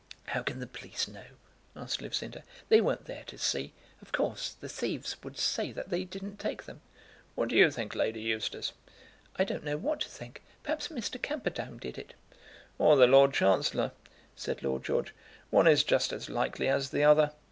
"How can the police know?" asked Lucinda. "They weren't there to see. Of course, the thieves would say that they didn't take them." "What do you think, Lady Eustace?" "I don't know what to think. Perhaps Mr. Camperdown did it." "Or the Lord Chancellor," said Lord George. "One is just as likely as the other.